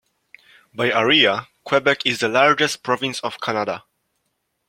By area, Quebec is the largest province of Canada.